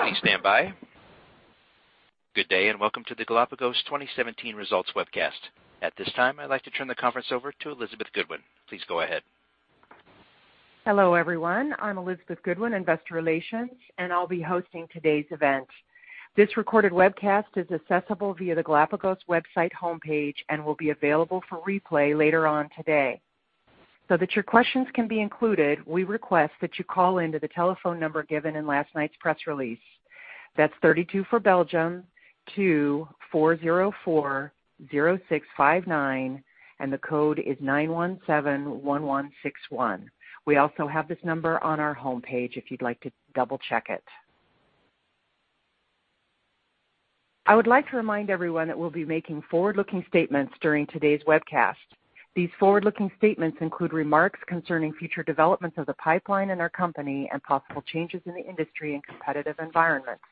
Please stand by. Good day. Welcome to the Galapagos 2017 results webcast. At this time, I'd like to turn the conference over to Elizabeth Goodwin. Please go ahead. Hello, everyone. I'm Elizabeth Goodwin, investor relations, and I'll be hosting today's event. This recorded webcast is accessible via the Galapagos website homepage and will be available for replay later on today. That your questions can be included, we request that you call in to the telephone number given in last night's press release. That's 32 for Belgium, 2404-0659. The code is 9171161. We also have this number on our homepage if you'd like to double-check it. I would like to remind everyone that we'll be making forward-looking statements during today's webcast. These forward-looking statements include remarks concerning future developments of the pipeline in our company and possible changes in the industry and competitive environments.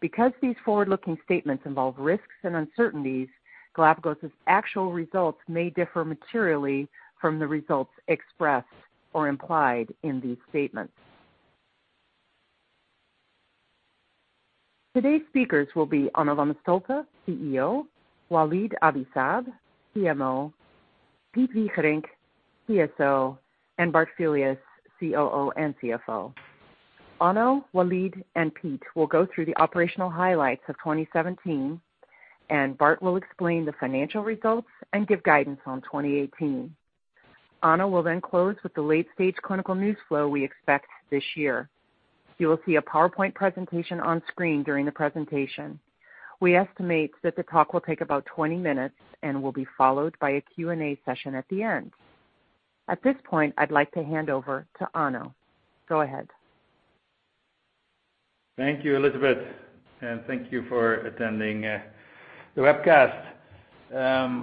These forward-looking statements involve risks and uncertainties, Galapagos' actual results may differ materially from the results expressed or implied in these statements. Today's speakers will be Onno van de Stolpe, CEO, Walid Abi-Saab, CMO, Piet Wigerinck, CSO, and Bart Filius, COO and CFO. Onno, Walid, and Piet will go through the operational highlights of 2017, and Bart will explain the financial results and give guidance on 2018. Onno will close with the late-stage clinical news flow we expect this year. You will see a PowerPoint presentation on screen during the presentation. We estimate that the talk will take about 20 minutes and will be followed by a Q&A session at the end. At this point, I'd like to hand over to Onno. Go ahead. Thank you, Elizabeth. Thank you for attending the webcast.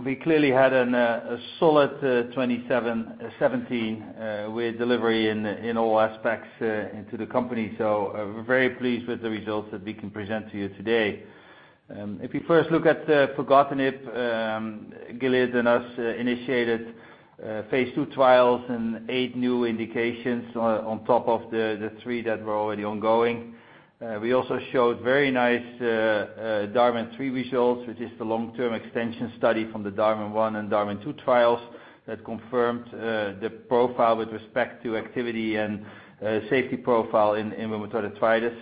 We clearly had a solid 2017 with delivery in all aspects into the company. We're very pleased with the results that we can present to you today. If you first look at the filgotinib, Gilead and us initiated phase II trials in eight new indications on top of the three that were already ongoing. We also showed very nice DARWIN 3 results, which is the long-term extension study from the DARWIN 1 and DARWIN 2 trials that confirmed the profile with respect to activity and safety profile in rheumatoid arthritis.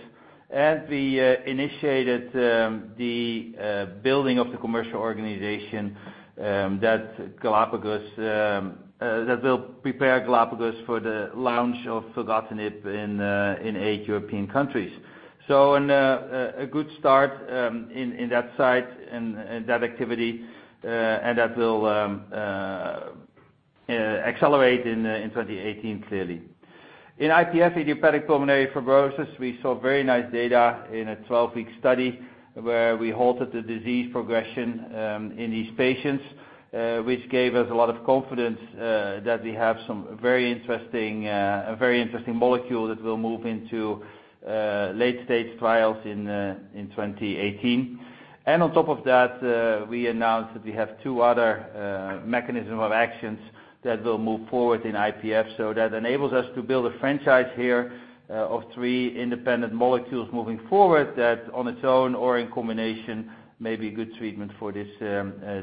We initiated the building of the commercial organization that will prepare Galapagos for the launch of filgotinib in eight European countries. A good start in that site and that activity, and that will accelerate in 2018 clearly. In IPF, idiopathic pulmonary fibrosis, we saw very nice data in a 12-week study where we halted the disease progression in these patients, which gave us a lot of confidence that we have some very interesting molecule that will move into late-stage trials in 2018. On top of that, we announced that we have two other mechanism of actions that will move forward in IPF. That enables us to build a franchise here of three independent molecules moving forward that on its own or in combination may be good treatment for this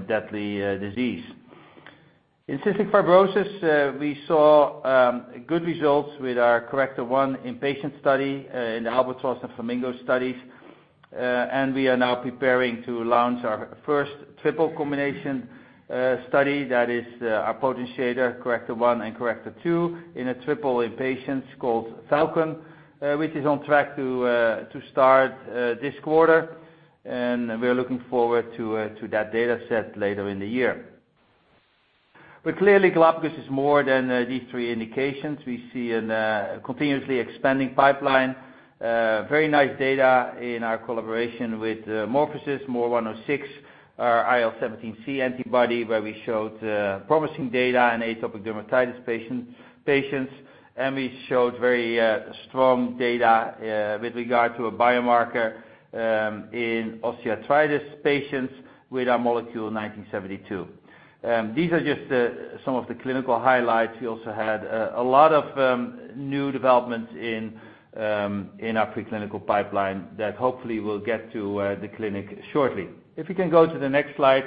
deadly disease. In cystic fibrosis, we saw good results with our Corrector one in patient study in the ALBATROSS and FLAMINGO studies. We are now preparing to launch our first triple combination study that is our Potentiator Corrector one and Corrector two in a triple in patients called FALCON, which is on track to start this quarter. We're looking forward to that data set later in the year. Clearly, Galapagos is more than these three indications. We see a continuously expanding pipeline. Very nice data in our collaboration with MorphoSys MOR106, our IL-17C antibody, where we showed promising data in atopic dermatitis patients, and we showed very strong data with regard to a biomarker in osteoarthritis patients with our molecule 1972. These are just some of the clinical highlights. We also had a lot of new developments in our preclinical pipeline that hopefully will get to the clinic shortly. If you can go to the next slide.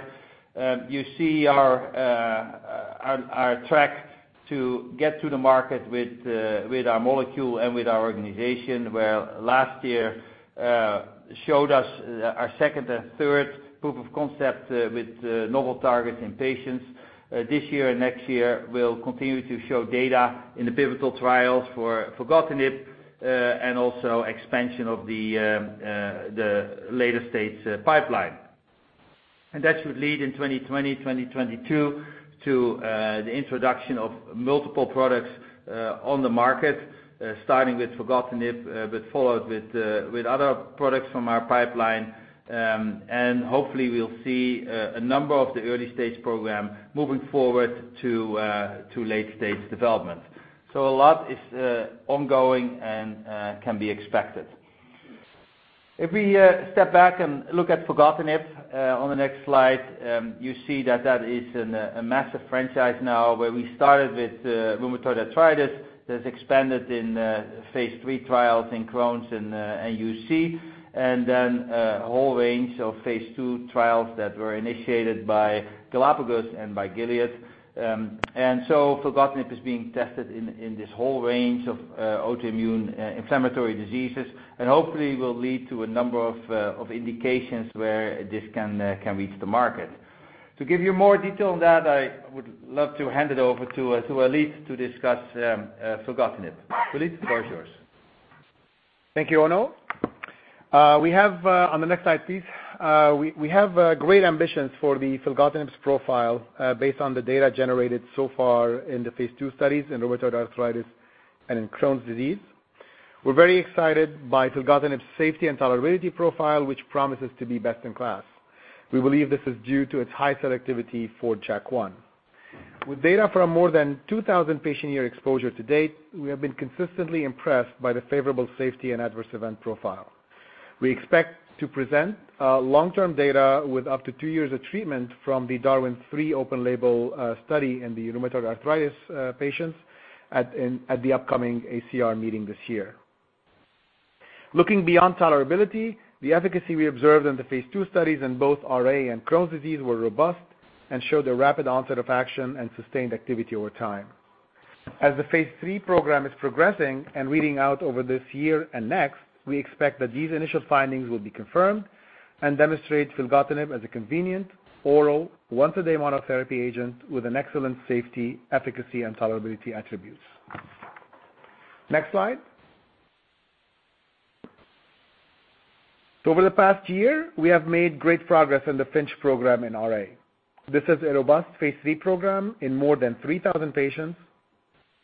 You see our track to get to the market with our molecule and with our organization, where last year showed us our second and third proof of concept with novel targets in patients. This year and next year, we'll continue to show data in the pivotal trials for filgotinib, and also expansion of the later-stage pipeline. That should lead in 2020, 2022 to the introduction of multiple products on the market, starting with filgotinib, but followed with other products from our pipeline. Hopefully we'll see a number of the early-stage program moving forward to late-stage development. A lot is ongoing and can be expected. If we step back and look at filgotinib, on the next slide, you see that that is a massive franchise now where we started with rheumatoid arthritis that's expanded in phase III trials in Crohn's and UC, a whole range of phase II trials that were initiated by Galapagos and by Gilead. Filgotinib is being tested in this whole range of autoimmune inflammatory diseases and hopefully will lead to a number of indications where this can reach the market. To give you more detail on that, I would love to hand it over to Walid to discuss filgotinib. Walid, the floor is yours. Thank you, Onno. On the next slide, please. We have great ambitions for filgotinib's profile based on the data generated so far in the phase II studies in rheumatoid arthritis and in Crohn's. We're very excited by filgotinib's safety and tolerability profile, which promises to be best in class. We believe this is due to its high selectivity for JAK1. With data from more than 2,000 patient year exposure to date, we have been consistently impressed by the favorable safety and adverse event profile. We expect to present long-term data with up to two years of treatment from the DARWIN 3 open label study in the rheumatoid arthritis patients at the upcoming ACR meeting this year. Looking beyond tolerability, the efficacy we observed in the phase II studies in both RA and Crohn's were robust and showed a rapid onset of action and sustained activity over time. The phase III program is progressing and reading out over this year and next, we expect that these initial findings will be confirmed and demonstrate filgotinib as a convenient oral once-a-day monotherapy agent with an excellent safety, efficacy, and tolerability attributes. Next slide. Over the past year, we have made great progress in the FINCH program in RA. This is a robust phase III program in more than 3,000 patients.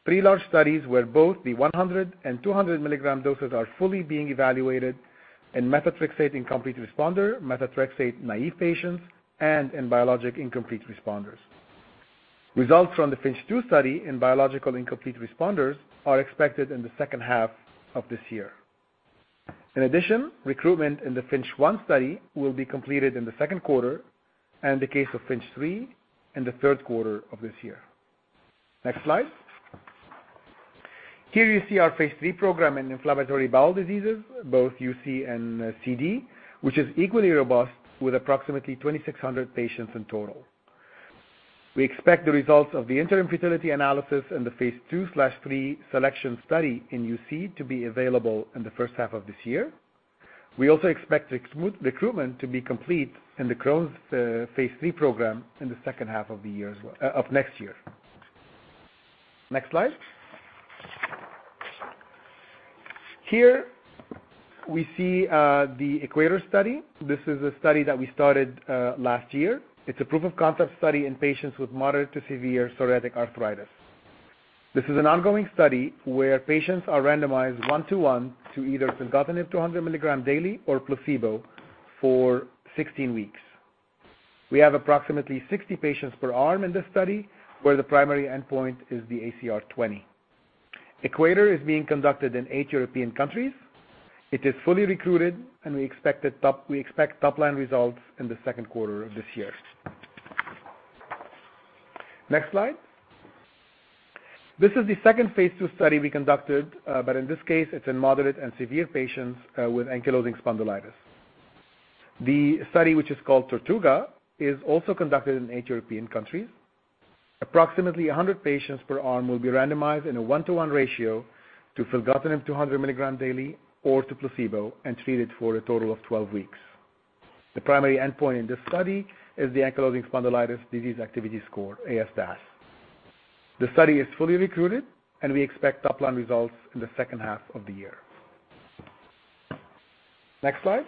Three large studies where both the 100 and 200 milligram doses are fully being evaluated in methotrexate incomplete responder, methotrexate-naive patients, and in biologic incomplete responders. Results from the FINCH 2 study in biological incomplete responders are expected in the second half of this year. In addition, recruitment in the FINCH 1 study will be completed in the second quarter, and the case of FINCH 3 in the third quarter of this year. Next slide. Here you see our phase III program in inflammatory bowel diseases, both UC and CD, which is equally robust with approximately 2,600 patients in total. We expect the results of the interim fertility analysis and the phase II/III SELECTION study in UC to be available in the first half of this year. We also expect recruitment to be complete in the Crohn's phase III program in the second half of next year. Next slide. Here we see the EQUATOR study. This is a study that we started last year. It's a proof of concept study in patients with moderate to severe psoriatic arthritis. This is an ongoing study where patients are randomized one-to-one to either filgotinib 200 milligram daily or placebo for 16 weeks. We have approximately 60 patients per arm in this study, where the primary endpoint is the ACR20. EQUATOR is being conducted in eight European countries. It is fully recruited, and we expect top line results in the second quarter of this year. Next slide. This is the second phase II study we conducted, but in this case, it's in moderate and severe patients with ankylosing spondylitis. The study, which is called TORTUGA, is also conducted in eight European countries. Approximately 100 patients per arm will be randomized in a one-to-one ratio to filgotinib 200 milligram daily or to placebo and treated for a total of 12 weeks. The primary endpoint in this study is the Ankylosing Spondylitis Disease Activity Score, ASDAS. The study is fully recruited, and we expect top line results in the second half of the year. Next slide.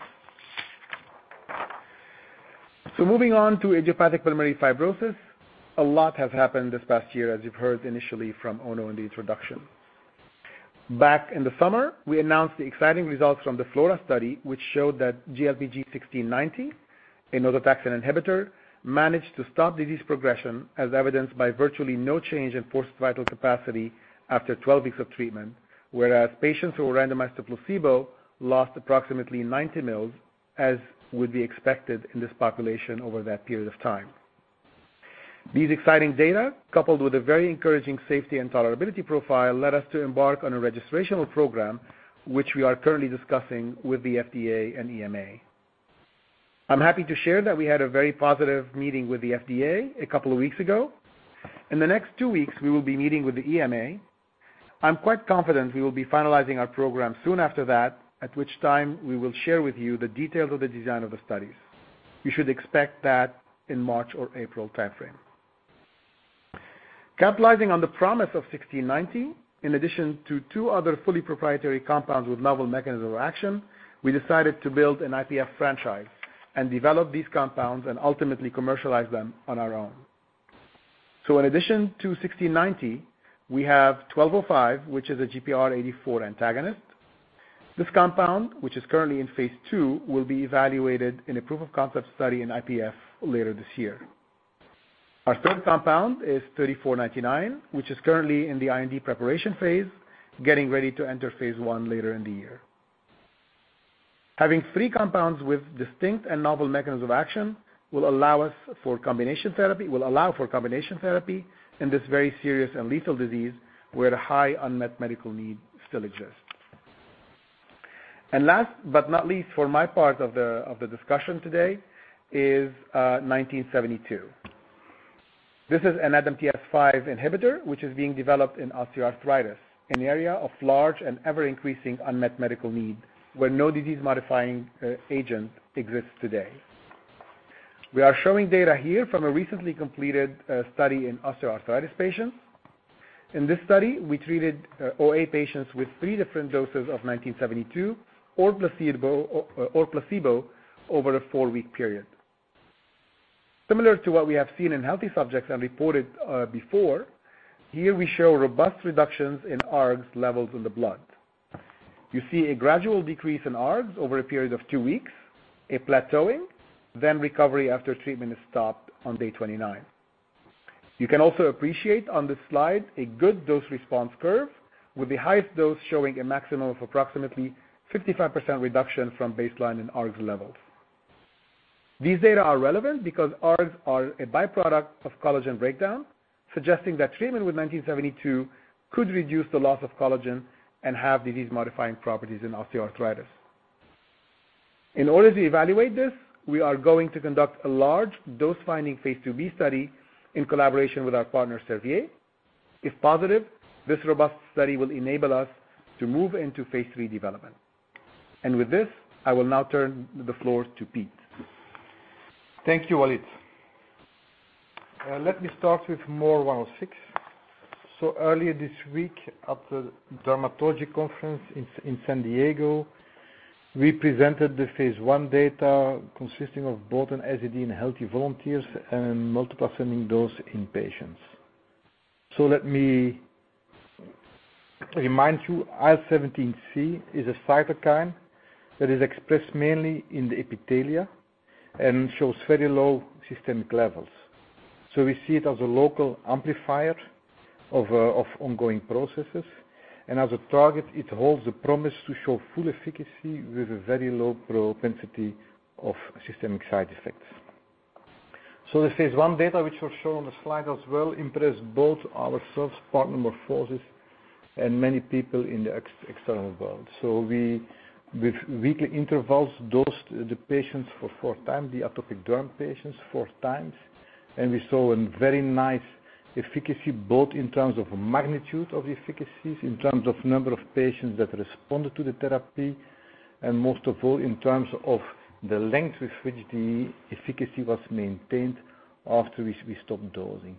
Moving on to idiopathic pulmonary fibrosis, a lot has happened this past year, as you've heard initially from Onno in the introduction. Back in the summer, we announced the exciting results from the FLORA study, which showed that GLPG1690, an autotaxin inhibitor, managed to stop disease progression as evidenced by virtually no change in forced vital capacity after 12 weeks of treatment, whereas patients who were randomized to placebo lost approximately 90 mils, as would be expected in this population over that period of time. These exciting data, coupled with a very encouraging safety and tolerability profile, led us to embark on a registrational program, which we are currently discussing with the FDA and EMA. I'm happy to share that we had a very positive meeting with the FDA a couple of weeks ago. In the next two weeks, we will be meeting with the EMA. I'm quite confident we will be finalizing our program soon after that, at which time we will share with you the details of the design of the studies. You should expect that in March or April timeframe. Capitalizing on the promise of 1690, in addition to two other fully proprietary compounds with novel mechanism of action, we decided to build an IPF franchise and develop these compounds and ultimately commercialize them on our own. In addition to 1690, we have 1205, which is a GPR84 antagonist. This compound, which is currently in Phase II, will be evaluated in a proof of concept study in IPF later this year. Our third compound is 3499, which is currently in the IND preparation phase, getting ready to enter phase I later in the year. Having three compounds with distinct and novel mechanisms of action will allow for combination therapy in this very serious and lethal disease, where a high unmet medical need still exists. Last but not least, for my part of the discussion today is 1972. This is an ADAMTS-5 inhibitor, which is being developed in osteoarthritis, an area of large and ever-increasing unmet medical need, where no disease-modifying agent exists today. We are showing data here from a recently completed study in osteoarthritis patients. In this study, we treated OA patients with three different doses of 1972 or placebo over a four-week period. Similar to what we have seen in healthy subjects and reported before, here we show robust reductions in ARGS levels in the blood. You see a gradual decrease in ARGS over a period of two weeks, a plateauing, then recovery after treatment is stopped on day 29. You can also appreciate on this slide a good dose response curve with the highest dose showing a maximum of approximately 55% reduction from baseline in ARGS levels. These data are relevant because ARGS are a byproduct of collagen breakdown, suggesting that treatment with 1972 could reduce the loss of collagen and have disease-modifying properties in osteoarthritis. In order to evaluate this, we are going to conduct a large dose-finding Phase II-B study in collaboration with our partner, Servier. If positive, this robust study will enable us to move into Phase III development. With this, I will now turn the floor to Piet. Thank you, Walid. Let me start with MOR106. Earlier this week at the dermatology conference in San Diego, we presented the phase I data consisting of both an SAD in healthy volunteers and multiple ascending dose in patients. Let me remind you, IL-17C is a cytokine that is expressed mainly in the epithelia and shows very low systemic levels. We see it as a local amplifier of ongoing processes, and as a target, it holds the promise to show full efficacy with a very low propensity of systemic side effects. The phase I data, which are shown on the slide as well, impressed both ourselves, partner MorphoSys, and many people in the external world. With weekly intervals, dosed the atopic derm patients four times, and we saw a very nice efficacy, both in terms of magnitude of efficacies, in terms of number of patients that responded to the therapy, and most of all, in terms of the length with which the efficacy was maintained after we stopped dosing.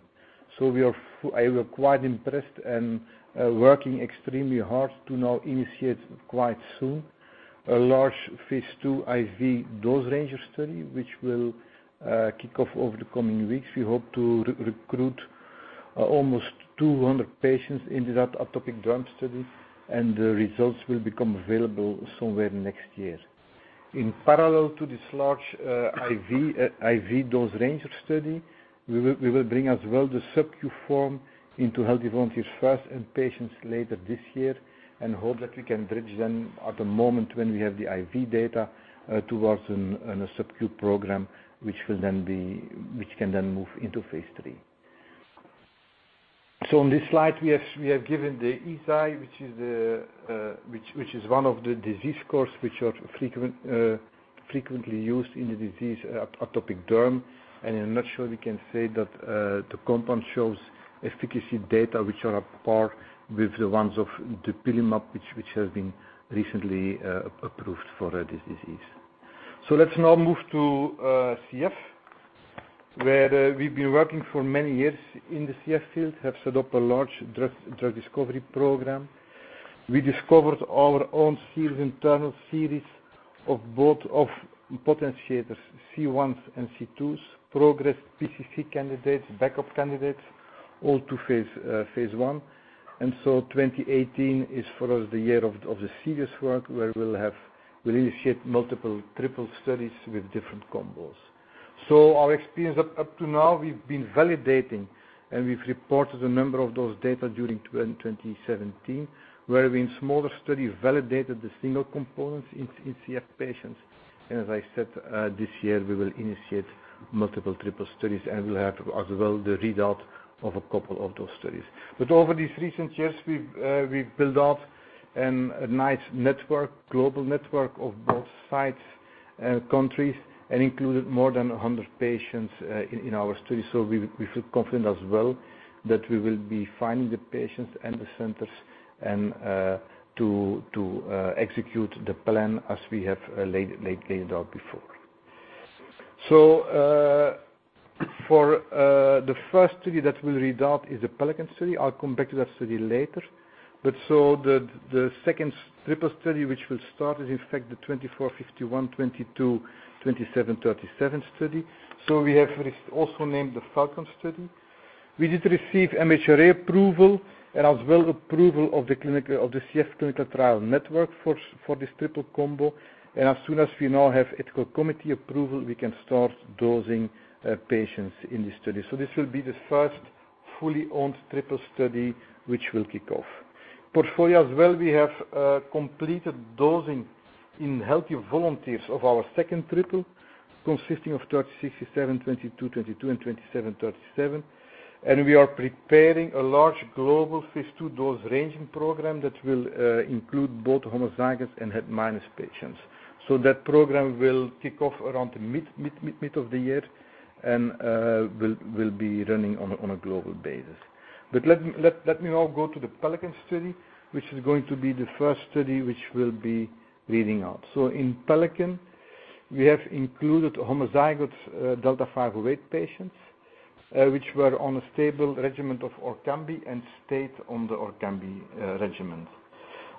I was quite impressed and working extremely hard to now initiate quite soon a large phase II IV dose ranger study, which will kick off over the coming weeks. We hope to recruit almost 200 patients into that atopic derm study, and the results will become available somewhere next year. In parallel to this large IV dose ranger study, we will bring as well the subcu form into healthy volunteers first and patients later this year and hope that we can bridge them at the moment when we have the IV data towards a subcu program, which can then move into phase III. On this slide, we have given the EASI, which is one of the disease scores which are frequently used in the disease atopic derm. I'm not sure we can say that the compound shows efficacy data which are on par with the ones of the dupilumab, which has been recently approved for this disease. Let's now move to CF, where we've been working for many years in the CF field, have set up a large drug discovery program. We discovered our own internal series of both of potentiators, C1s and C2s, progress PCC candidates, backup candidates, all to phase I. 2018 is for us the year of the serious work, where we'll initiate multiple triple studies with different combos. Our experience up to now, we've been validating, and we've reported a number of those data during 2017, where we, in smaller studies, validated the single components in CF patients. As I said, this year, we will initiate multiple triple studies, and we'll have as well the readout of a couple of those studies. Over these recent years, we've built out a nice global network of both sites and countries and included more than 100 patients in our study. We feel confident as well that we will be finding the patients and the centers to execute the plan as we have laid out before. For the first study that will read out is the PELICAN study. I will come back to that study later. The second triple study, which will start, is in fact the GLPG2451, GLPG2222, GLPG2737 study. We have also named the FALCON study. We did receive MHRA approval and as well approval of the ECFS-CTN for this triple combo. As soon as we now have ethical committee approval, we can start dosing patients in the study. This will be the first fully owned triple study which will kick off. Portfolio as well, we have completed dosing in healthy volunteers of our second triple, consisting of GLPG3067, GLPG2222, and GLPG2737. We are preparing a large global phase II dose ranging program that will include both homozygous and het min patients. That program will kick off around mid of the year and will be running on a global basis. Let me now go to the PELICAN study, which is going to be the first study which we will be reading out. In PELICAN, we have included homozygous delta F508 patients, which were on a stable regimen of ORKAMBI and stayed on the ORKAMBI regimen.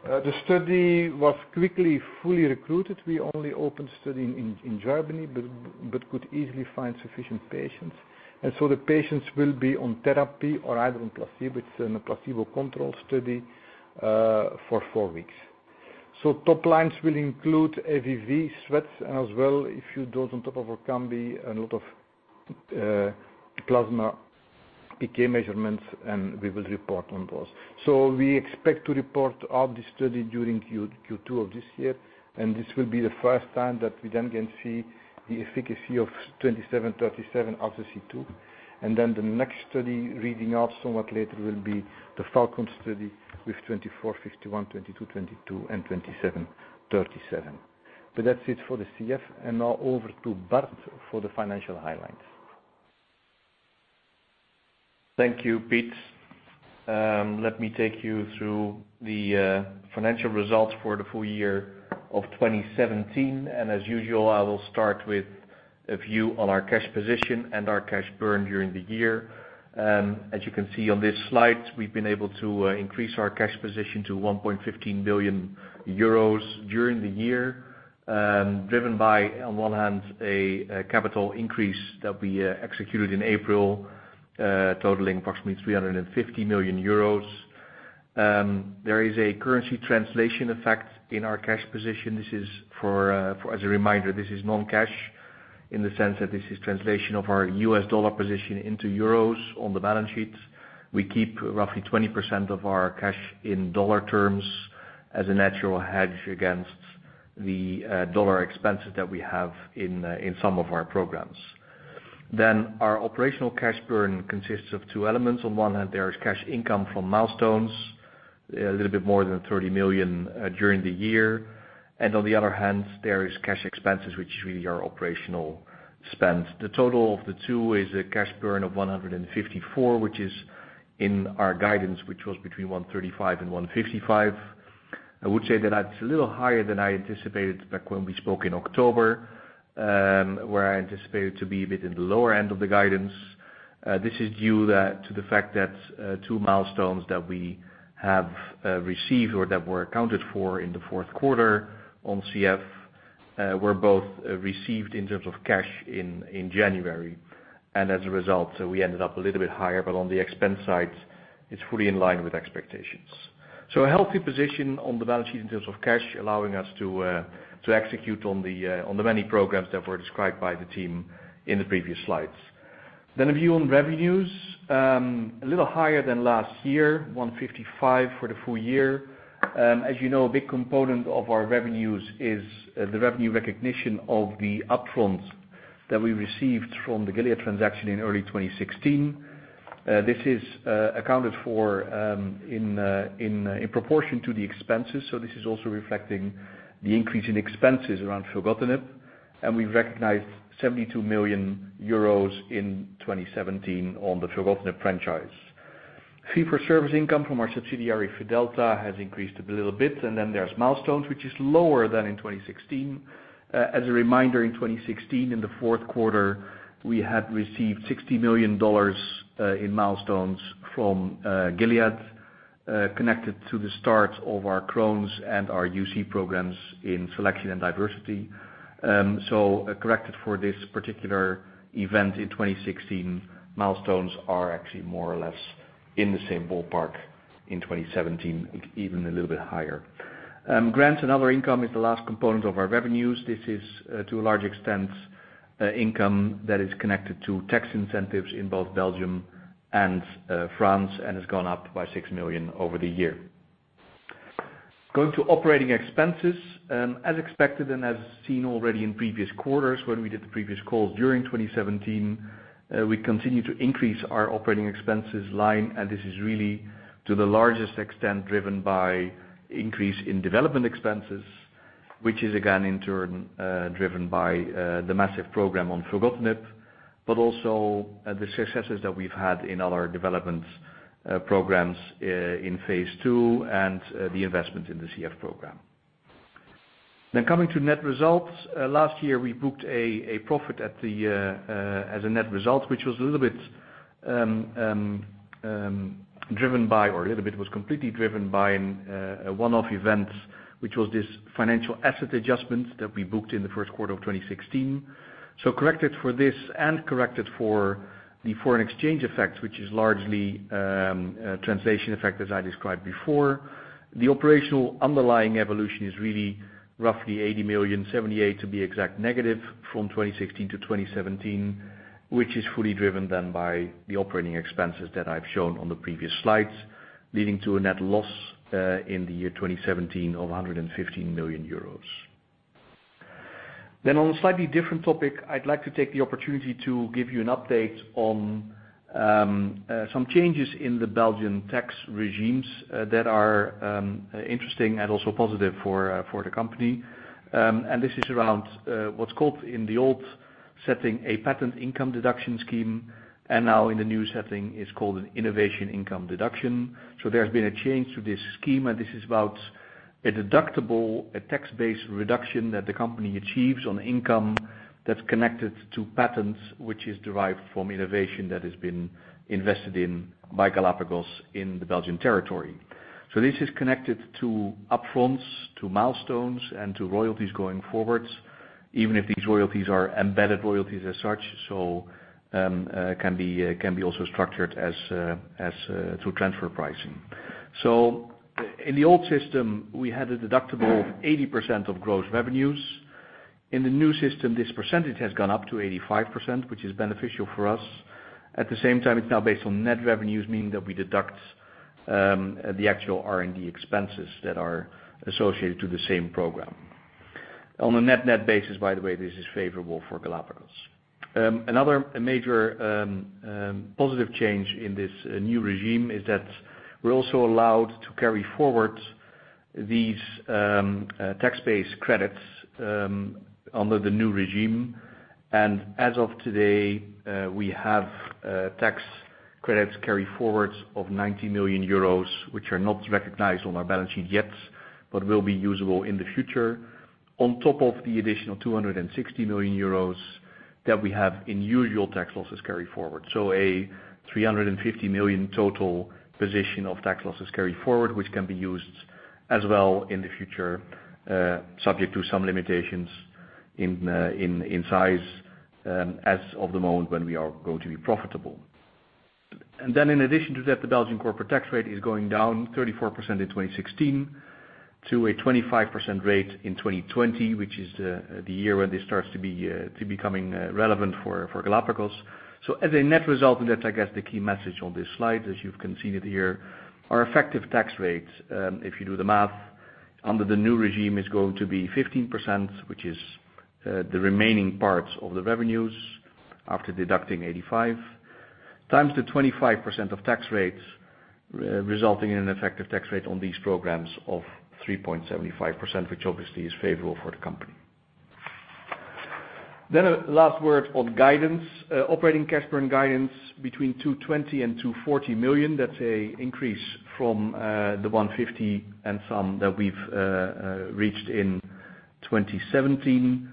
The study was quickly fully recruited. We only opened study in Germany, but could easily find sufficient patients. The patients will be on therapy or either on placebo. It is a placebo control study, for four weeks. Top lines will include FEV1, sweat chloride, and as well, a few dose on top of ORKAMBI and a lot of plasma PK measurements, and we will report on those. We expect to report out the study during Q2 of this year, and this will be the first time that we then can see the efficacy of GLPG2737/C2. The next study reading out somewhat later will be the FALCON study with GLPG2451, GLPG2222, and GLPG2737. That is it for the CF. Now over to Bart for the financial highlights. Thank you, Piet. Let me take you through the financial results for the full year of 2017. As usual, I will start with a view on our cash position and our cash burn during the year. As you can see on this slide, we have been able to increase our cash position to 1.15 billion euros during the year, driven by, on one hand, a capital increase that we executed in April, totaling approximately 350 million euros. There is a currency translation effect in our cash position. As a reminder, this is non-cash in the sense that this is translation of our USD position into euros on the balance sheet. We keep roughly 20% of our cash in dollar terms as a natural hedge against the dollar expenses that we have in some of our programs. Our operational cash burn consists of two elements. On one hand, there is cash income from milestones, a little bit more than 30 million during the year. On the other hand, there is cash expenses, which is really our operational spend. The total of the two is a cash burn of 154 million, which is in our guidance, which was between 135 million and 155 million. I would say that it's a little higher than I anticipated back when we spoke in October, where I anticipated to be a bit in the lower end of the guidance. This is due to the fact that two milestones that we have received or that were accounted for in the fourth quarter on CF, were both received in terms of cash in January. As a result, we ended up a little bit higher, but on the expense side, it's fully in line with expectations. A healthy position on the balance sheet in terms of cash allowing us to execute on the many programs that were described by the team in the previous slides. A view on revenues. A little higher than last year, 155 million for the full year. As you know, a big component of our revenues is the revenue recognition of the upfront that we received from the Gilead transaction in early 2016. This is accounted for in proportion to the expenses, so this is also reflecting the increase in expenses around filgotinib. We recognized 72 million euros in 2017 on the filgotinib franchise. Fee for service income from our subsidiary, Fidelta, has increased a little bit. There's milestones, which is lower than in 2016. As a reminder, in 2016, in the fourth quarter, we had received $60 million in milestones from Gilead, connected to the start of our Crohn's and our UC programs in SELECTION and DIVERSITY. Corrected for this particular event in 2016, milestones are actually more or less in the same ballpark in 2017, even a little bit higher. Grants and other income is the last component of our revenues. This is to a large extent, income that is connected to tax incentives in both Belgium and France and has gone up by 6 million over the year. Going to operating expenses. As expected and as seen already in previous quarters when we did the previous calls during 2017, we continue to increase our operating expenses line. This is really to the largest extent driven by increase in development expenses, which is again, in turn, driven by the massive program on filgotinib, but also the successes that we've had in other developments programs in phase II and the investment in the CF program. Coming to net results. Last year we booked a profit as a net result, which was completely driven by a one-off event, which was this financial asset adjustment that we booked in the first quarter of 2016. Corrected for this and corrected for the foreign exchange effect, which is largely translation effect as I described before, the operational underlying evolution is really roughly 80 million, 78 million to be exact, negative from 2016 to 2017, which is fully driven by the operating expenses that I've shown on the previous slides, leading to a net loss in 2017 of 115 million euros. On a slightly different topic, I'd like to take the opportunity to give you an update on some changes in the Belgian tax regimes that are interesting and also positive for the company. This is around what's called in the old setting, a patent income deduction scheme, and now in the new setting is called an innovation income deduction. There's been a change to this scheme, this is about a deductible, a tax-based reduction that the company achieves on income that's connected to patents, which is derived from innovation that has been invested in by Galapagos in the Belgian territory. This is connected to upfronts, to milestones, and to royalties going forwards, even if these royalties are embedded royalties as such, can be also structured as through transfer pricing. In the old system, we had a deductible of 80% of gross revenues. In the new system, this percentage has gone up to 85%, which is beneficial for us. At the same time, it's now based on net revenues, meaning that we deduct the actual R&D expenses that are associated to the same program. On a net net basis, by the way, this is favorable for Galapagos. Another major positive change in this new regime is that we're also allowed to carry forward these tax-based credits under the new regime. As of today, we have tax credits carry forwards of 90 million euros, which are not recognized on our balance sheet yet, but will be usable in the future. On top of the additional 260 million euros that we have in usual tax losses carry forward. A 350 million total position of tax losses carry forward, which can be used as well in the future, subject to some limitations in size as of the moment when we are going to be profitable. In addition to that, the Belgian corporate tax rate is going down 34% in 2016 to a 25% rate in 2020, which is the year when this starts to becoming relevant for Galapagos. As a net result, that's, I guess, the key message on this slide, as you've conceded here, our effective tax rates, if you do the math, under the new regime is going to be 15%, which is the remaining parts of the revenues after deducting 85%, times the 25% of tax rates, resulting in an effective tax rate on these programs of 3.75%, which obviously is favorable for the company. A last word on guidance. Operating cash burn guidance between 220 million and 240 million. That's an increase from the 150 million and some that we've reached in 2017.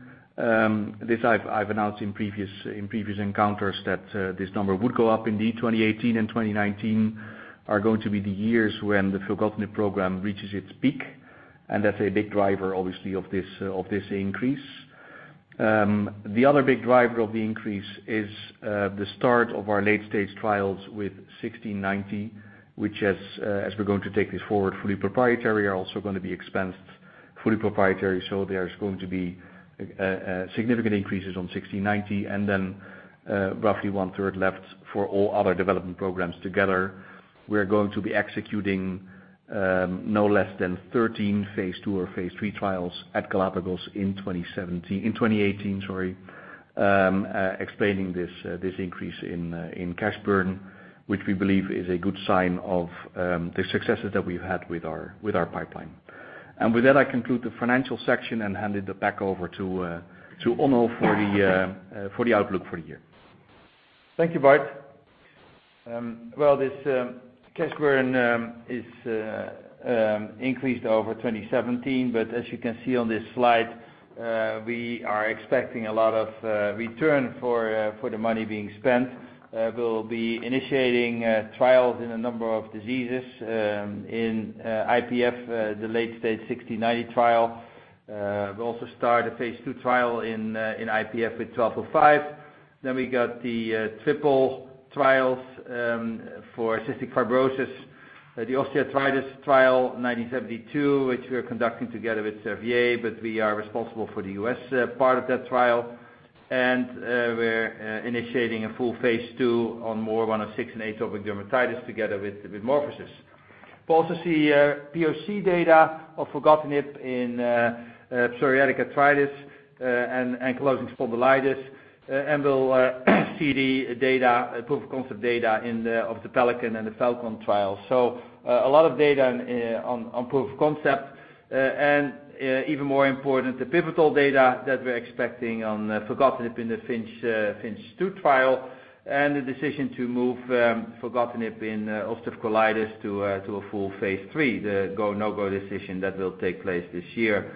This I've announced in previous encounters that this number would go up indeed. 2018 and 2019 are going to be the years when the filgotinib program reaches its peak, that's a big driver, obviously, of this increase. The other big driver of the increase is the start of our late-stage trials with 1690, which as we're going to take this forward fully proprietary, are also going to be expensed fully proprietary. There's going to be significant increases on 1690 and then roughly one-third left for all other development programs together. We're going to be executing no less than 13 phase II or phase III trials at Galapagos in 2018, sorry, explaining this increase in cash burn, which we believe is a good sign of the successes that we've had with our pipeline. With that, I conclude the financial section and hand it back over to Onno for the outlook for the year. Thank you, Bart. This cash burn is increased over 2017, as you can see on this slide, we are expecting a lot of return for the money being spent. We'll be initiating trials in a number of diseases in IPF, the late-stage 1690 trial. We'll also start a phase II trial in IPF with 1205. We got the triple trials for cystic fibrosis. The osteoarthritis trial, GLPG1972, which we are conducting together with Servier, but we are responsible for the U.S. part of that trial. We're initiating a full phase II on MOR106 in atopic dermatitis together with MorphoSys. We'll also see POC data of filgotinib in psoriatic arthritis and ankylosing spondylitis, and we'll see the data, proof of concept data of the PELICAN and the FALCON trials. A lot of data on proof of concept, even more important, the pivotal data that we're expecting on filgotinib in the FINCH 2 trial and the decision to move filgotinib in ulcerative colitis to a full phase III, the go, no-go decision that will take place this year.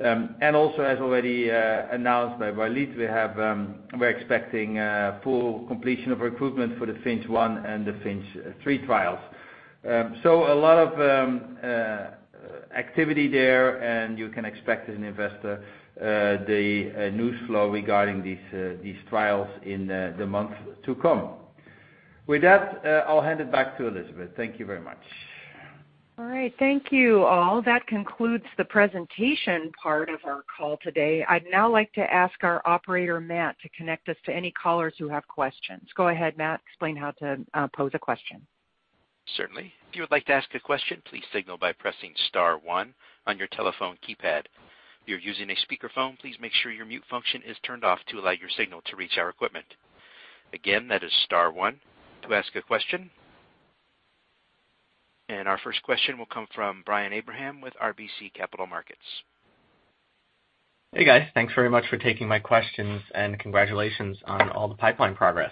Also, as already announced by Walid, we're expecting a full completion of recruitment for the FINCH 1 and the FINCH 3 trials. A lot of activity there, you can expect as an investor, the news flow regarding these trials in the months to come. With that, I'll hand it back to Elizabeth. Thank you very much. All right. Thank you, all. That concludes the presentation part of our call today. I'd now like to ask our operator, Matt, to connect us to any callers who have questions. Go ahead, Matt, explain how to pose a question. Certainly. If you would like to ask a question, please signal by pressing star one on your telephone keypad. If you're using a speakerphone, please make sure your mute function is turned off to allow your signal to reach our equipment. Again, that is star one to ask a question. Our first question will come from Brian Abrahams with RBC Capital Markets. Hey, guys. Thanks very much for taking my questions, and congratulations on all the pipeline progress.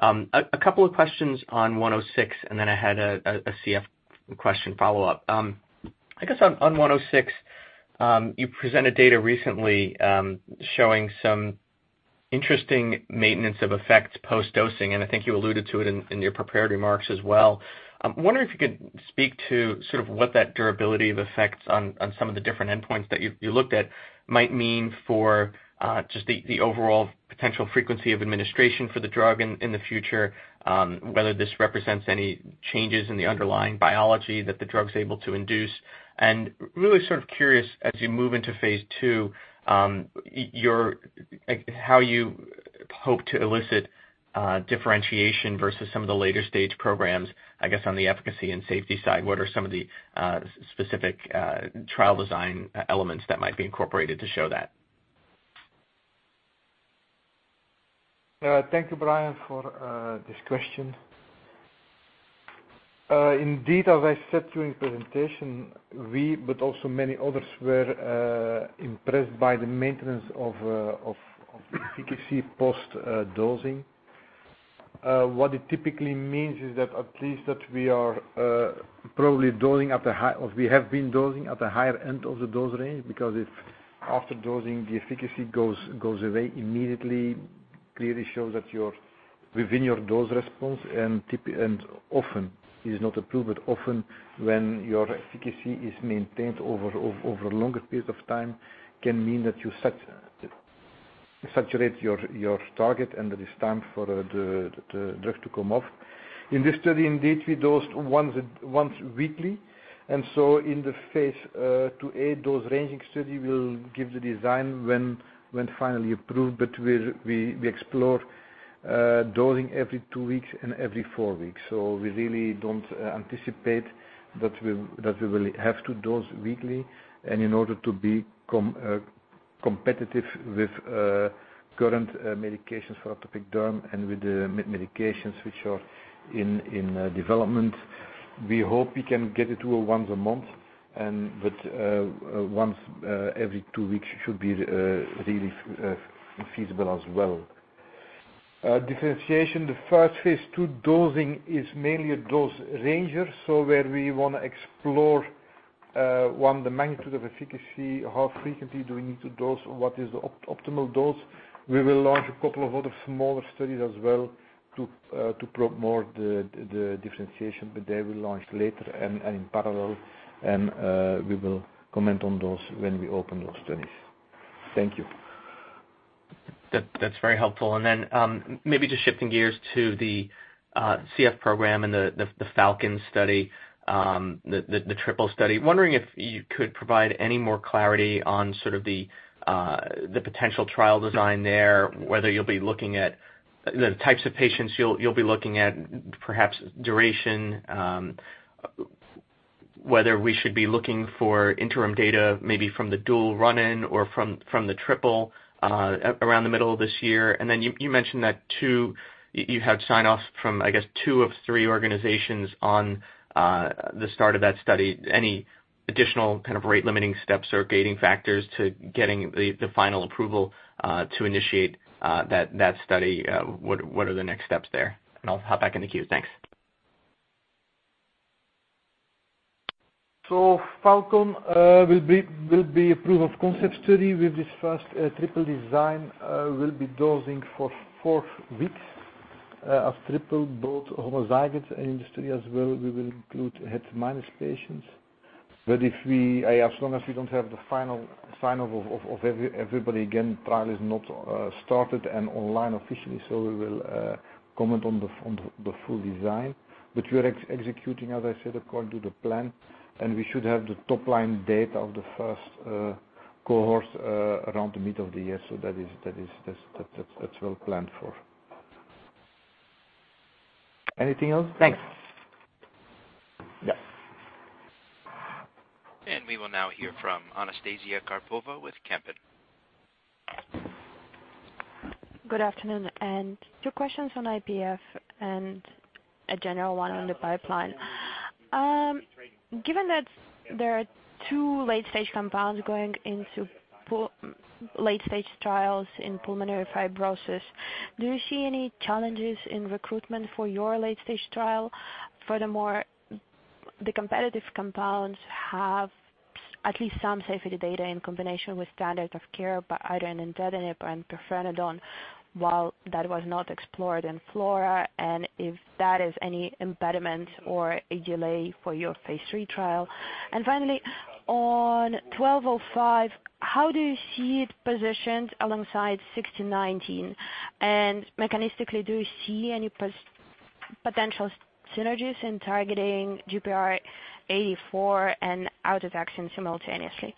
A couple of questions on 106, and then I had a CF question follow-up. I guess on 106, you presented data recently showing some interesting maintenance of effects post-dosing, and I think you alluded to it in your prepared remarks as well. I'm wondering if you could speak to sort of what that durability of effects on some of the different endpoints that you looked at might mean for just the overall potential frequency of administration for the drug in the future, whether this represents any changes in the underlying biology that the drug's able to induce. Really sort of curious as you move into phase II, how you hope to elicit differentiation versus some of the later stage programs, I guess, on the efficacy and safety side. What are some of the specific trial design elements that might be incorporated to show that? Thank you, Brian, for this question. Indeed, as I said during presentation, we, but also many others, were impressed by the maintenance of efficacy post-dosing. What it typically means is that we are probably dosing at the high, or we have been dosing at the higher end of the dose range, because if after dosing, the efficacy goes away immediately, clearly shows that you're within your dose response. Often, it is not approved, but often when your efficacy is maintained over a longer period of time, can mean that you saturate your target and that it's time for the drug to come off. In this study, indeed, we dosed once weekly. In the phase II-A dose ranging study will give the design when finally approved. We explore dosing every two weeks and every four weeks. We really don't anticipate that we will have to dose weekly. In order to be competitive with current medications for atopic derm and with the medications which are in development, we hope we can get it to a once a month. Once every two weeks should be really feasible as well. Differentiation, the first phase II dosing is mainly a dose ranger. Where we want to explore, one, the magnitude of efficacy, how frequently do we need to dose, or what is the optimal dose. We will launch a couple of other smaller studies as well to probe more the differentiation. They will launch later and in parallel, and we will comment on those when we open those studies. Thank you. That's very helpful. Then maybe just shifting gears to the CF program and the FALCON study, the triple study. Wondering if you could provide any more clarity on sort of the potential trial design there, whether you'll be looking at the types of patients you'll be looking at, perhaps duration, whether we should be looking for interim data, maybe from the dual run-in or from the triple around the middle of this year. Then you mentioned that, too, you have sign-off from, I guess, two of three organizations on the start of that study. Any additional kind of rate-limiting steps or gating factors to getting the final approval to initiate that study? What are the next steps there? I'll hop back in the queue. Thanks. FALCON will be a proof of concept study with this first triple design. We'll be dosing for four weeks as triple both homozygous in the study as well. We will include het min patients. As long as we don't have the final sign-off of everybody, again, trial is not started and online officially, we will comment on the full design. We're executing, as I said, according to the plan. We should have the top-line data of the first cohorts around the middle of the year. That's well planned for. Anything else? Thanks. Yeah. We will now hear from Anastasia Karpova with Kempen. Good afternoon. Two questions on IPF and a general one on the pipeline. Given that there are two late-stage compounds going into late-stage trials in pulmonary fibrosis, do you see any challenges in recruitment for your phase III trial? Furthermore, the competitive compounds have at least some safety data in combination with standard of care, but either in nintedanib or in pirfenidone, while that was not explored in FLORA. If that is any impediment or a delay for your phase III trial. Finally, on 1205, how do you see it positioned alongside GLPG1690? Mechanistically, do you see any potential synergies in targeting GPR84 and autotaxin simultaneously?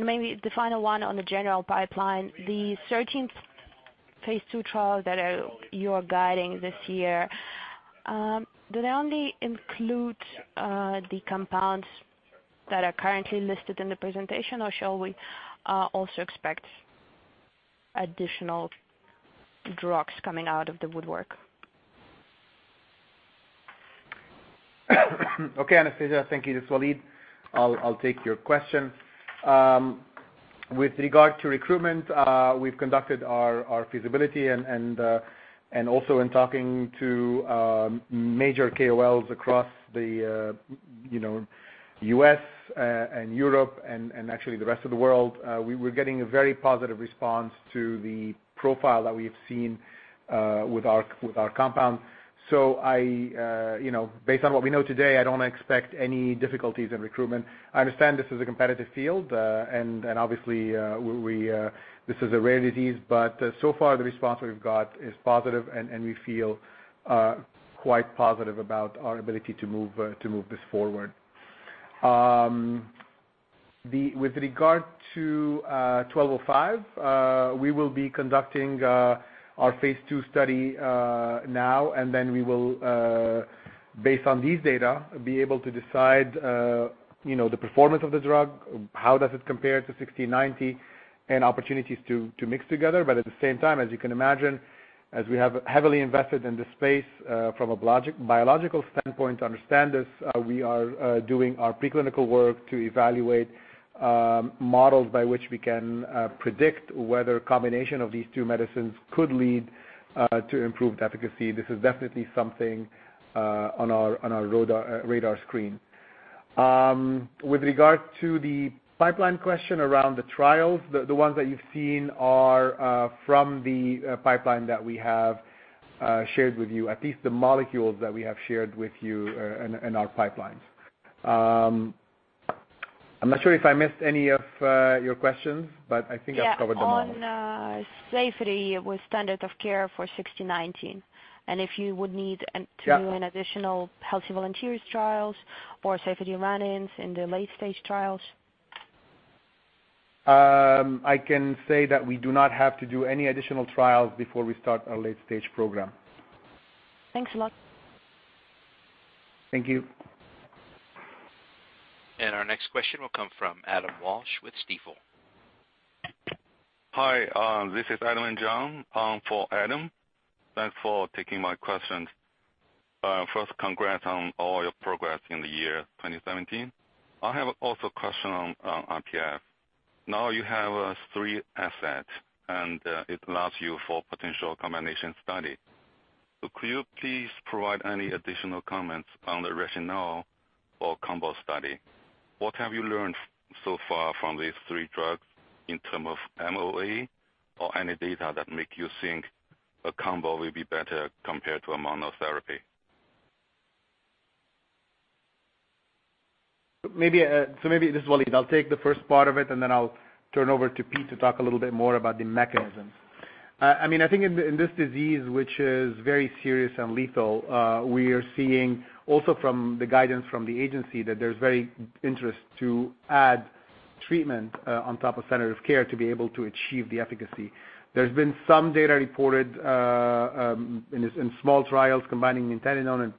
Maybe the final one on the general pipeline, the 13 phase II trials that you're guiding this year, do they only include the compounds that are currently listed in the presentation, or shall we also expect additional drugs coming out of the woodwork? Okay, Anastasia. Thank you. This is Walid. I'll take your question. With regard to recruitment, we've conducted our feasibility and also in talking to major KOLs across the U.S. and Europe and actually the rest of the world, we're getting a very positive response to the profile that we've seen with our compounds. Based on what we know today, I don't expect any difficulties in recruitment. I understand this is a competitive field, and obviously, this is a rare disease, but so far, the response that we've got is positive, and we feel quite positive about our ability to move this forward. With regard to 1205, we will be conducting our phase II study now. Then we will, based on these data, be able to decide the performance of the drug, how does it compare to 1690, and opportunities to mix together. At the same time, as you can imagine, as we have heavily invested in this space from a biological standpoint to understand this, we are doing our preclinical work to evaluate models by which we can predict whether a combination of these two medicines could lead to improved efficacy. This is definitely something on our radar screen. With regard to the pipeline question around the trials, the ones that you've seen are from the pipeline that we have shared with you. At least the molecules that we have shared with you in our pipelines. I'm not sure if I missed any of your questions, but I think I've covered them all. Yeah. On safety with standard of care for GLPG1690, and if you would need- Yeah to do an additional healthy volunteers trials or safety run-ins in the late-stage trials. I can say that we do not have to do any additional trials before we start our late-stage program. Thanks a lot. Thank you. Our next question will come from Adam Walsh with Stifel. Hi. This is Adam Wangian for Adam. Thanks for taking my questions. First, congrats on all your progress in the year 2017. I have also a question on IPF. Now you have three assets, it allows you for potential combination study. Could you please provide any additional comments on the rationale for combo study? What have you learned so far from these three drugs in term of MOA or any data that make you think a combo will be better compared to a monotherapy? Maybe, this is Walid. I'll take the first part of it, and then I'll turn over to Pete to talk a little bit more about the mechanisms. I think in this disease, which is very serious and lethal, we are seeing also from the guidance from the agency that there's very interest to add treatment on top of standard of care to be able to achieve the efficacy. There's been some data reported in small trials combining nintedanib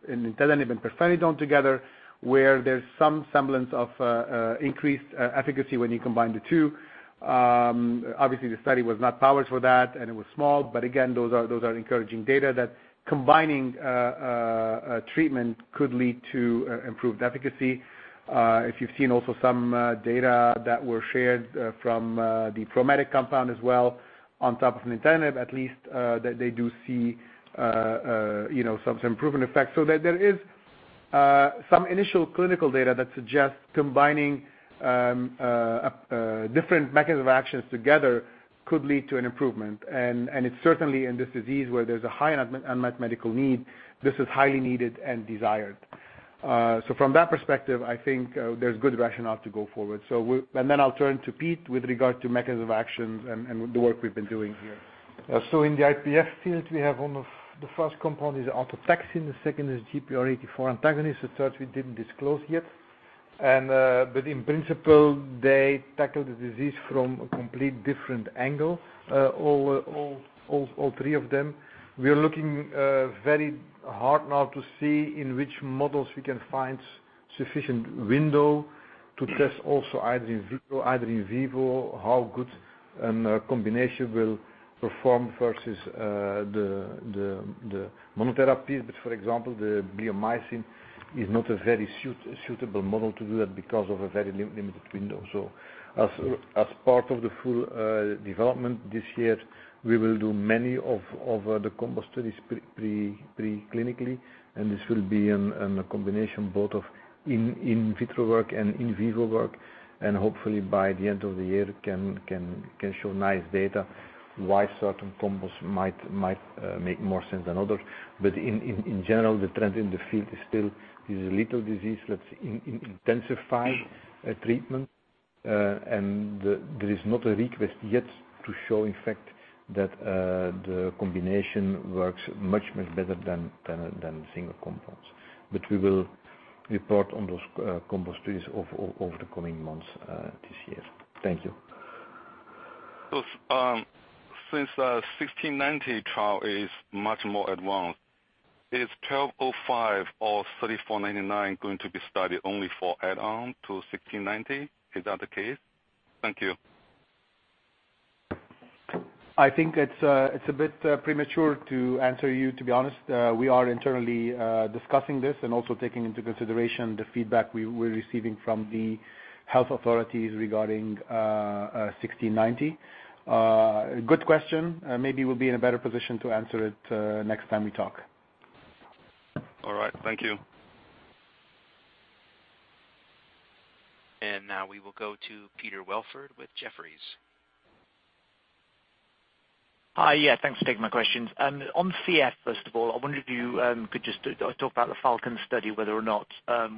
and pirfenidone together, where there's some semblance of increased efficacy when you combine the two. Obviously, the study was not powered for that, and it was small, but again, those are encouraging data that combining treatment could lead to improved efficacy. If you've seen also some data that were shared from the ProMetic compound as well on top of nintedanib, at least, they do see some improvement effects. There is some initial clinical data that suggests combining different mechanism of actions together could lead to an improvement. It's certainly in this disease where there's a high unmet medical need. This is highly needed and desired. From that perspective, I think there's good rationale to go forward. Then I'll turn to Piet with regard to mechanism of actions and the work we've been doing here. In the IPF field, we have one of the first compound is autotaxin, the second is GPR84 antagonist, the third we didn't disclose yet. In principle, they tackle the disease from a complete different angle, all three of them. We are looking very hard now to see in which models we can find sufficient window to test also either in vivo how good A combination will perform versus the monotherapies. For example, the bleomycin is not a very suitable model to do that because of a very limited window. As part of the full development this year, we will do many of the combo studies pre-clinically, and this will be a combination both of in vitro work and in vivo work. Hopefully by the end of the year can show nice data why certain combos might make more sense than others. In general, the trend in the field is still this is a lethal disease, let's intensify treatment. There is not a request yet to show in fact that the combination works much better than single compounds. We will report on those combo studies over the coming months this year. Thank you. Since GLPG1690 trial is much more advanced, is GLPG1205 or GLPG3499 going to be studied only for add-on to GLPG1690? Is that the case? Thank you. I think it's a bit premature to answer you, to be honest. We are internally discussing this and also taking into consideration the feedback we're receiving from the health authorities regarding GLPG1690. Good question. Maybe we'll be in a better position to answer it next time we talk. All right. Thank you. Now we will go to Peter Welford with Jefferies. Hi, yeah. Thanks for taking my questions. On CF, first of all, I wondered if you could just talk about the FALCON study, whether or not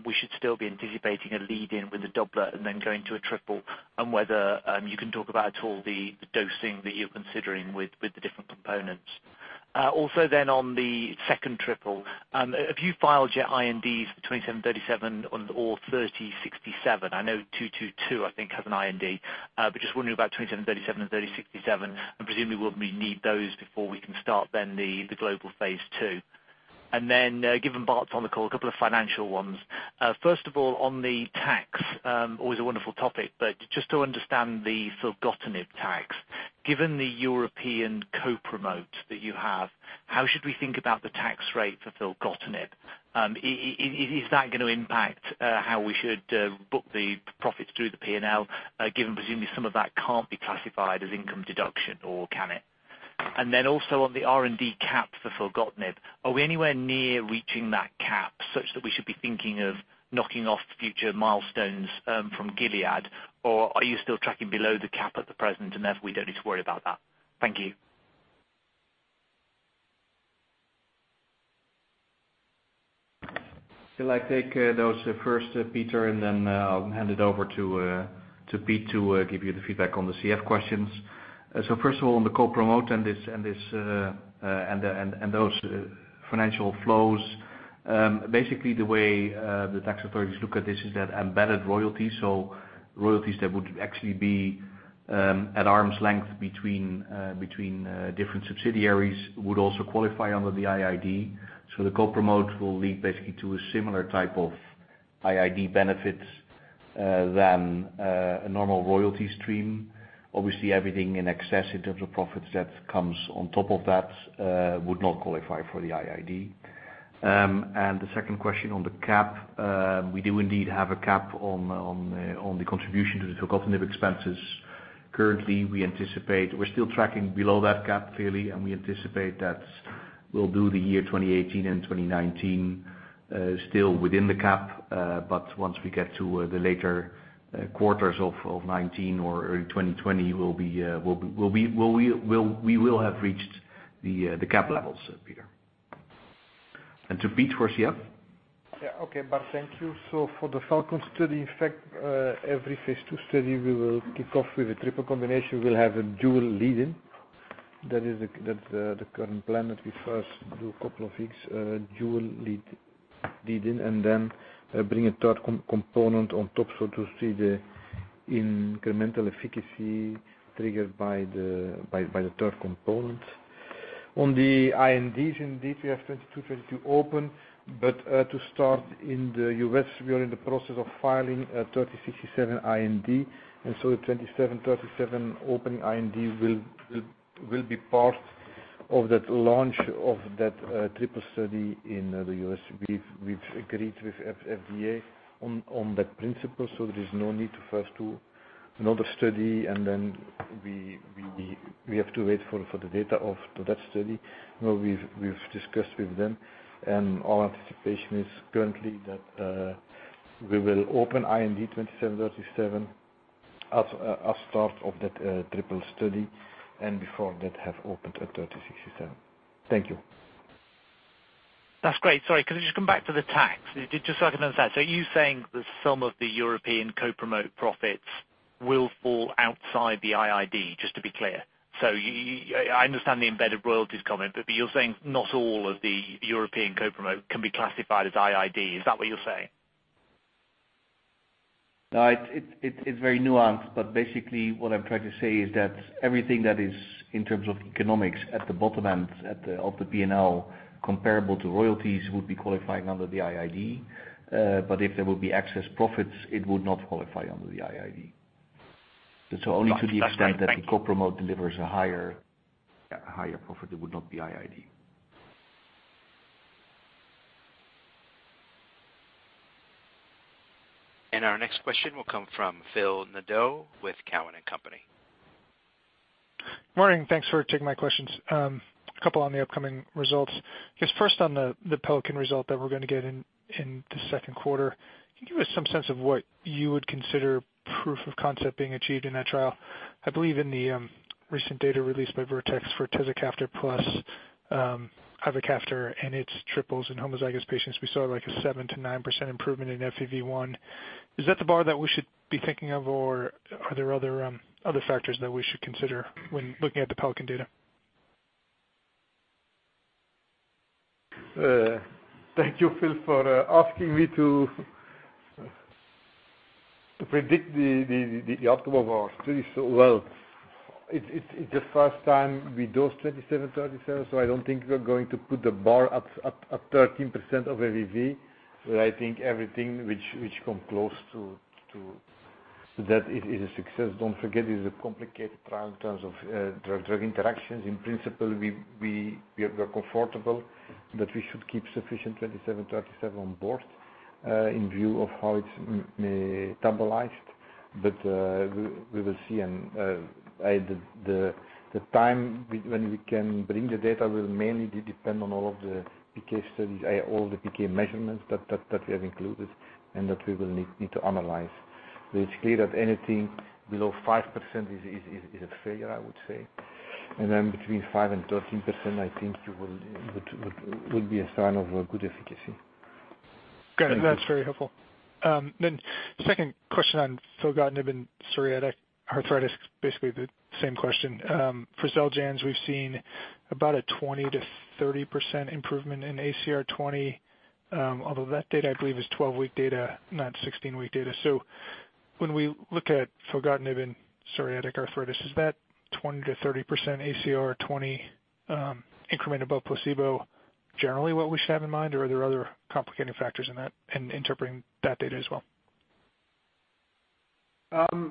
we should still be anticipating a lead-in with the doublet and then going to a triple, and whether you can talk about at all the dosing that you're considering with the different components. On the second triple, have you filed your INDs for GLPG2737 or GLPG3067? I know GLPG2222, I think, has an IND. Just wondering about GLPG2737 and GLPG3067, and presumably we'll need those before we can start the global phase II. Given Bart's on the call, a couple of financial ones. First of all, on the tax, always a wonderful topic, just to understand the filgotinib tax, given the European co-promote that you have, how should we think about the tax rate for filgotinib? Is that going to impact how we should book the profits through the P&L, given presumably some of that can't be classified as income deduction, or can it? Also on the R&D cap for filgotinib, are we anywhere near reaching that cap such that we should be thinking of knocking off future milestones from Gilead? Are you still tracking below the cap at the present, and therefore we don't need to worry about that? Thank you. Shall I take those first, Peter, and then I'll hand it over to Piet to give you the feedback on the CF questions. First of all, on the co-promote and those financial flows. Basically, the way the tax authorities look at this is that embedded royalties, so royalties that would actually be at arm's length between different subsidiaries would also qualify under the IID. The co-promote will lead basically to a similar type of IID benefit than a normal royalty stream. Obviously, everything in excess in terms of profits that comes on top of that would not qualify for the IID. The second question on the cap. We do indeed have a cap on the contribution to the filgotinib expenses. Currently, we're still tracking below that cap clearly, and we anticipate that we'll do the year 2018 and 2019 still within the cap. Once we get to the later quarters of 2019 or early 2020, we will have reached the cap levels, Peter. To Piet for CF. Yeah. Okay, Bart, thank you. For the FALCON study, in fact every phase II study we will kick off with a triple combination. We'll have a dual lead-in. That's the current plan, that we first do a couple of weeks dual lead-in, and then bring a third component on top so to see the incremental efficacy triggered by the third component. On the INDs, indeed, we have GLPG2222 open. To start in the U.S., we are in the process of filing a GLPG3067 IND, GLPG2737 opening IND will be part of that launch of that triple study in the U.S. We've agreed with FDA on that principle, there is no need to first do another study and then we have to wait for the data of that study. No, we've discussed with them, our anticipation is currently that we will open IND GLPG2737 as start of that triple study, before that have opened a GLPG3067. Thank you. That's great. Sorry, can I just come back to the tax? Just I can understand. Are you saying that some of the European co-promote profits will fall outside the IID, just to be clear? I understand the embedded royalties comment, you're saying not all of the European co-promote can be classified as IID. Is that what you're saying? No, it's very nuanced, basically what I'm trying to say is that everything that is in terms of economics at the bottom end of the P&L comparable to royalties would be qualifying under the IID. If there will be excess profits, it would not qualify under the IID. Only to the extent that. Got you. That's clear. Thank you. The co-promote delivers a higher profit, it would not be IID. Our next question will come from Phil Nadeau with Cowen and Company. Morning. Thanks for taking my questions. A couple on the upcoming results. I guess first on the PELICAN result that we're going to get in the second quarter. Can you give us some sense of what you would consider proof of concept being achieved in that trial? I believe in the recent data released by Vertex for tezacaftor plus ivacaftor and its triples in homozygous patients, we saw a 7%-9% improvement in FEV1. Is that the bar that we should be thinking of, or are there other factors that we should consider when looking at the PELICAN data? Thank you, Phil, for asking me to predict the optimal bars. Well, it's the first time we dose 27/37, so I don't think we're going to put the bar at 13% of FEV1. I think everything which comes close to that is a success. Don't forget, it's a complicated trial in terms of drug interactions. In principle, we are comfortable that we should keep sufficient 27/37 on board in view of how it's metabolized. We will see. The time when we can bring the data will mainly depend on all of the PK studies, all the PK measurements that we have included and that we will need to analyze. It's clear that anything below 5% is a failure, I would say. Between 5% and 13%, I think would be a sign of a good efficacy. Got it. That's very helpful. The second question on filgotinib in psoriatic arthritis, basically the same question. For XELJANZ, we've seen about a 20%-30% improvement in ACR20. Although that data, I believe, is 12-week data, not 16-week data. When we look at filgotinib in psoriatic arthritis, is that 20%-30% ACR20 increment above placebo generally what we should have in mind, or are there other complicating factors in that in interpreting that data as well?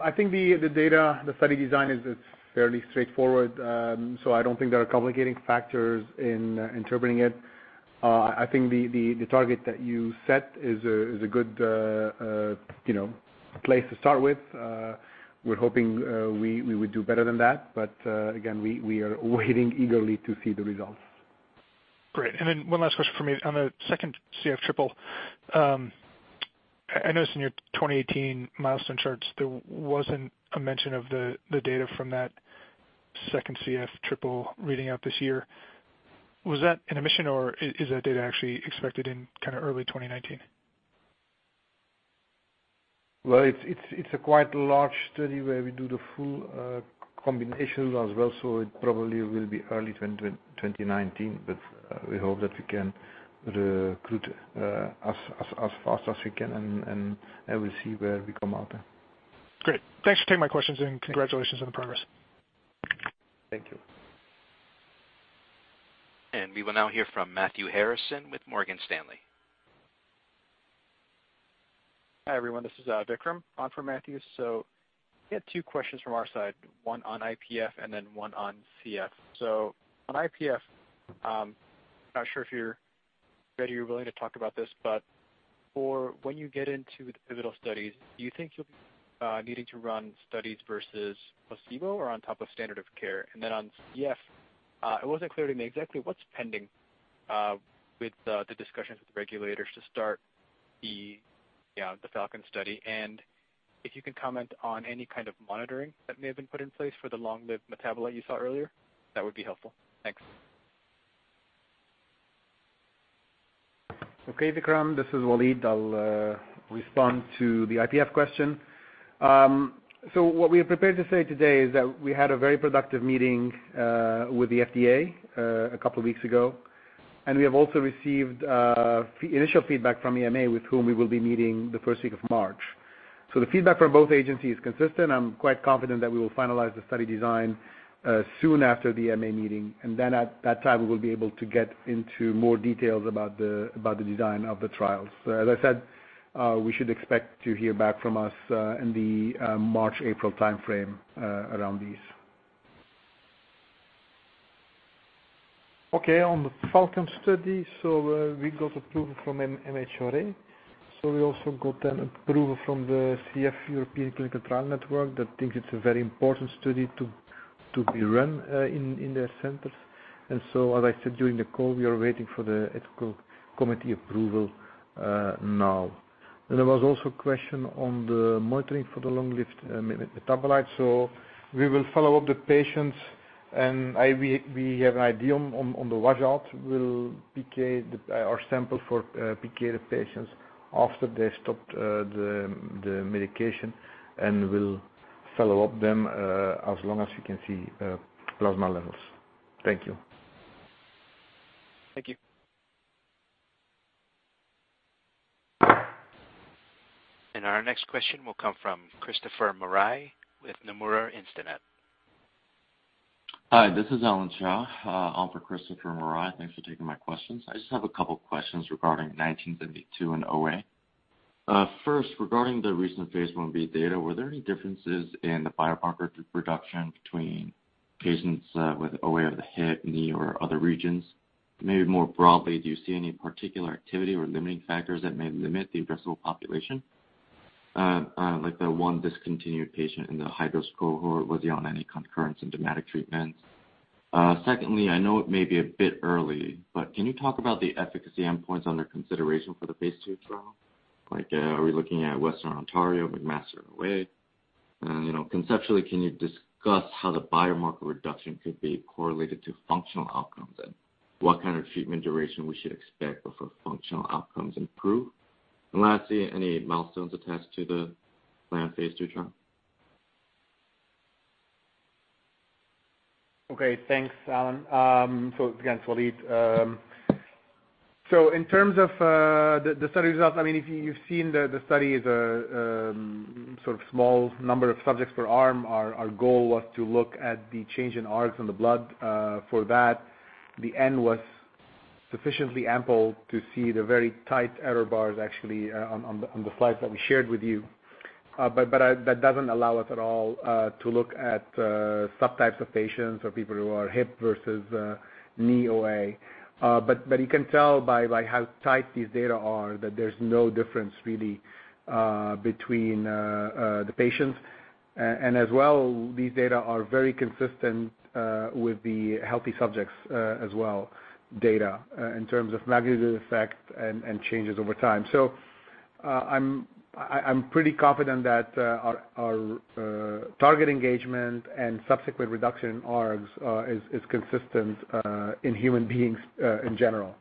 I think the data, the study design is fairly straightforward, I don't think there are complicating factors in interpreting it. I think the target that you set is a good place to start with. We're hoping we would do better than that. Again, we are waiting eagerly to see the results. Great. One last question from me. On the second CF triple, I noticed in your 2018 milestone charts, there wasn't a mention of the data from that second CF triple reading out this year. Was that an omission, or is that data actually expected in early 2019? Well, it's a quite large study where we do the full combinations as well, it probably will be early 2019. We hope that we can recruit as fast as we can, we'll see where we come out. Great. Thanks for taking my questions, congratulations on the progress. Thank you. We will now hear from Matthew Harrison with Morgan Stanley. Hi, everyone. This is Vikram on for Matthew. We had two questions from our side, one on IPF and one on CF. On IPF, I am not sure if you are ready or willing to talk about this, but for when you get into the pivotal studies, do you think you will be needing to run studies versus placebo or on top of standard of care? On CF, it was not clear to me exactly what is pending with the discussions with regulators to start the FALCON study. If you can comment on any kind of monitoring that may have been put in place for the long-lived metabolite you saw earlier, that would be helpful. Thanks. Okay, Vikram. This is Walid. I will respond to the IPF question. What we are prepared to say today is that we had a very productive meeting with the FDA a couple of weeks ago, and we have also received initial feedback from EMA, with whom we will be meeting the first week of March. The feedback from both agencies is consistent. I am quite confident that we will finalize the study design soon after the EMA meeting, and at that time, we will be able to get into more details about the design of the trials. As I said, we should expect to hear back from us in the March-April timeframe around these. Okay, on the FALCON study. We got approval from MHRA. We also got an approval from the CF European Clinical Trial Network that thinks it is a very important study to be run in their centers. As I said during the call, we are waiting for the ethical committee approval now. There was also a question on the monitoring for the long-lived metabolites. We will follow up the patients, and we have an idea on the wash out. We will PK our sample for PK the patients after they stopped the medication, and we will follow up them as long as we can see plasma levels. Thank you. Thank you. Our next question will come from Christopher Marai with Nomura Instinet. Hi, this is Alan Shaw for Christopher Marai. Thanks for taking my questions. I just have a couple questions regarding GLPG1972 and OA. First, regarding the recent phase I-B data, were there any differences in the biomarker reduction between patients with OA of the hip, knee, or other regions? More broadly, do you see any particular activity or limiting factors that may limit the addressable population? Like the one discontinued patient in the hydro cohort, was he on any concurrent symptomatic treatments? Secondly, I know it may be a bit early, but can you talk about the efficacy endpoints under consideration for the phase II trial? Are we looking at Western Ontario, McMaster OA? Conceptually, can you discuss how the biomarker reduction could be correlated to functional outcomes, and what kind of treatment duration we should expect before functional outcomes improve? Lastly, any milestones attached to the planned phase II trial? Okay, thanks, Alan. Again, Walid. In terms of the study results, if you've seen the study is a sort of small number of subjects per arm. Our goal was to look at the change in ARGS in the blood. For that, the end was sufficiently ample to see the very tight error bars actually on the slides that we shared with you. That doesn't allow us at all to look at subtypes of patients or people who are hip versus knee OA. You can tell by how tight these data are that there's no difference really between the patients. As well, these data are very consistent with the healthy subjects as well, data in terms of magnitude effect and changes over time. I'm pretty confident that our target engagement and subsequent reduction in ARGS is consistent in human beings in general.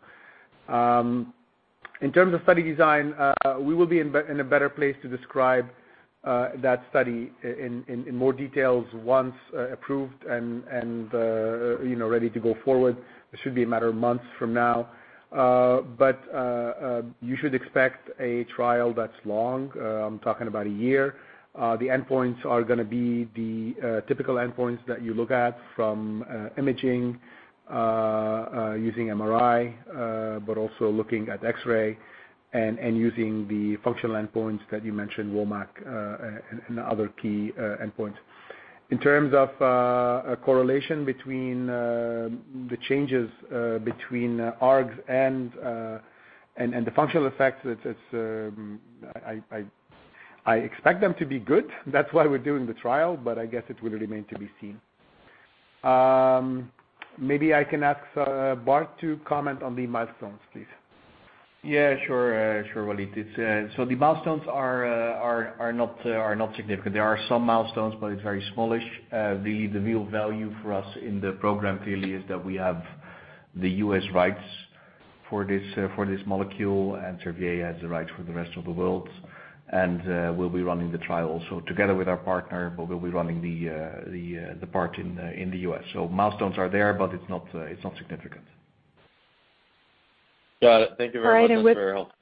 In terms of study design, we will be in a better place to describe that study in more details once approved and ready to go forward. It should be a matter of months from now. You should expect a trial that's long. I'm talking about one year. The endpoints are going to be the typical endpoints that you look at from imaging, using MRI, but also looking at X-ray and using the functional endpoints that you mentioned, WOMAC and other key endpoints. In terms of a correlation between the changes between ARGS and the functional effects, I expect them to be good. That's why we're doing the trial, but I guess it will remain to be seen. Maybe I can ask Bart to comment on the milestones, please. Yeah, sure Walid. The milestones are not significant. There are some milestones, but it's very smallish. The real value for us in the program clearly is that we have the U.S. rights for this molecule, and Servier has the rights for the rest of the world. We'll be running the trial also together with our partner, but we'll be running the part in the U.S. Milestones are there, but it's not significant. Got it. Thank you very much. That's very helpful.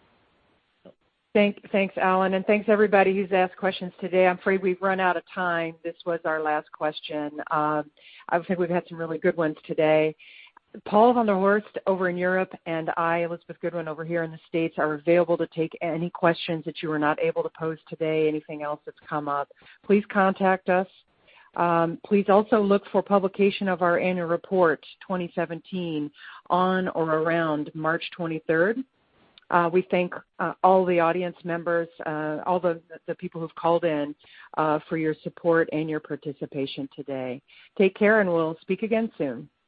Thanks, Alan, and thanks everybody who's asked questions today. I'm afraid we've run out of time. This was our last question. I would say we've had some really good ones today. Paul van der Horst over in Europe, and I, Elizabeth Goodwin, over here in the U.S., are available to take any questions that you were not able to pose today, anything else that's come up. Please contact us. Please also look for publication of our annual report 2017 on or around March 23rd. We thank all the audience members, all the people who've called in, for your support and your participation today. Take care, and we'll speak again soon. Bye